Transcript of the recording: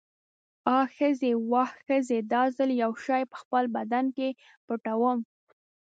آ ښځې، واه ښځې، دا ځل یو شی په خپل بدن کې پټوم.